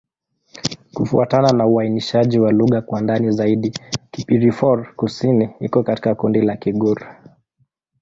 Kufuatana na uainishaji wa lugha kwa ndani zaidi, Kibirifor-Kusini iko katika kundi la Kigur.